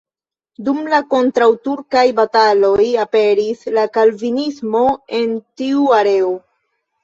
Dum la kontraŭturkaj bataloj aperis la kalvinismo en tiu areo.